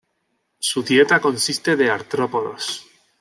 Su dieta consiste de artrópodos.